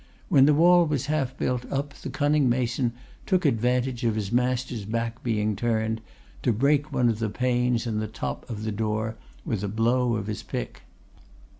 When the wall was half built up the cunning mason took advantage of his master's back being turned to break one of the two panes in the top of the door with a blow of his pick.